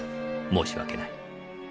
申し訳ない。